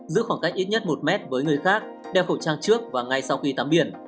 giữ khoảng cách ít nhất một mét với người khác đeo khẩu trang trước và ngay sau khi tắm biển